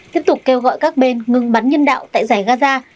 tiếp tục kêu gọi các bên ngừng bắn nhân đạo tại giải gaza